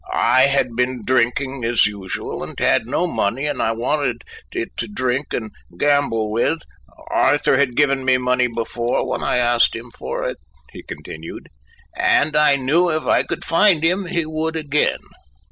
I had been drinking as usual and had no money, and I wanted it to drink and gamble with. Arthur had given me money before, when I asked him for it," he continued, "and I knew if I could find him, he would again.